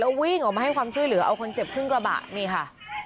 วิ่งออกมาให้ความช่วยเหลือเอาคนเจ็บขึ้นกระบะนี่ค่ะ